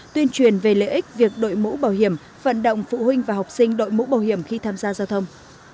tuyên truyền về lợi ích việc đội mũ bảo hiểm vận động phụ huynh và học sinh đội mũ bảo hiểm khi tham gia giao thông